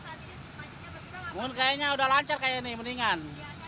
mungkin kayaknya udah lancar kayaknya nih mendingan